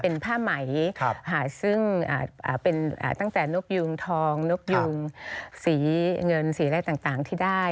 เป็นผ้าไหมซึ่งเป็นตั้งแต่นกยูงทองนกยูงสีเงินสีอะไรต่างที่ได้